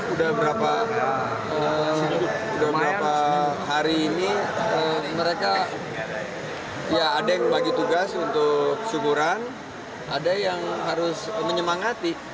udah berapa hari ini mereka ya ada yang bagi tugas untuk syukuran ada yang harus menyemangati